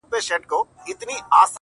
لومړۍ خښته کږه وه، دا ماڼۍ به را نړېږي -